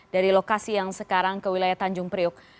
dari lokasi yang sekarang ke wilayah tanjung priok